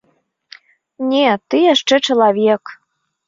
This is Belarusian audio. Не, ты яшчэ чалавек!